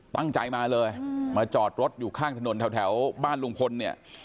ตั้งใจมาเลยมาจอดรถอยู่ข้างถนนแถวบ้านลุงพลเนี่ย